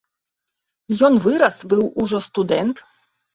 Ён вырас, быў ужо студэнт.